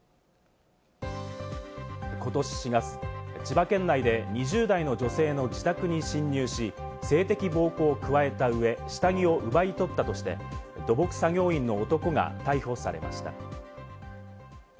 ことし４月、千葉県内で２０代の女性の自宅に侵入し、性的暴行を加えたうえ、下着を奪い取ったとして、土木作業員の男が逮捕されました。